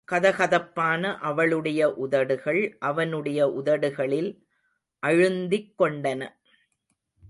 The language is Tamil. கதகதப்பான அவளுடைய உதடுகள் அவனுடைய உதடுகளில் அழுந்திக் கொண்டன.